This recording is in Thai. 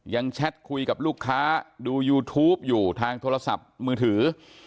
แชทคุยกับลูกค้าดูยูทูปอยู่ทางโทรศัพท์มือถือ